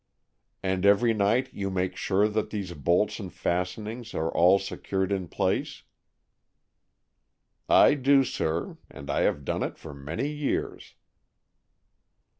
"And every night you make sure that these bolts and fastenings are all secured in place?" "I do, sir, and I have done it for many years."